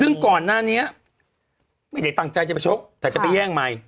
ซึ่งก่อนหน้านี้ไม่ได้ตั้งใจจะไปชกแต่จะไปแย่งใหม่